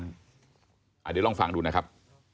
เดี๋ยวลองฟังดูนะครับ